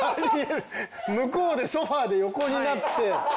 向こうでソファで横になって。